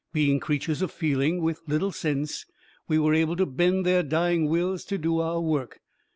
Being creatures of feeling, with little sense, we were able to bend their dying wills to do our work.